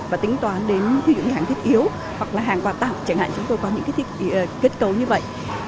và tính toán đến khi những hàng thiết yếu hoặc là hàng quà tặng chẳng hạn chúng tôi có những kết cấu như vậy